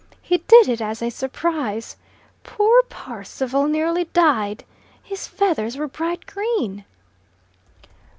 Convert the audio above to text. He did it as a surprise. Poor Parsival nearly died. His feathers were bright green!"